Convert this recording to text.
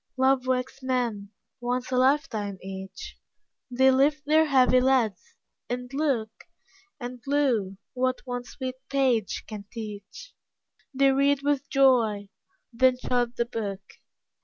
Love wakes men, once a lifetime each; They lift their heavy lids, and look; And, lo, what one sweet page can teach, They read with joy, then shut the book.